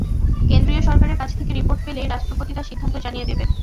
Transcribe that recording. কেন্দ্রীয় সরকারের কাছ থেকে রিপোর্ট পেলেই রাষ্ট্রপতি তাঁর সিদ্ধান্ত জানিয়ে দেবেন।